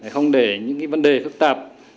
không để những vấn đề phức tạp